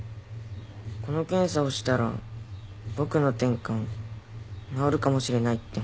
この検査をしたら僕のてんかん治るかもしれないってホント？